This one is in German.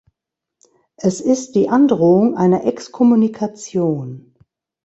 Es ist die Androhung einer Exkommunikation.